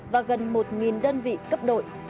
và gần một đơn vị cấp đội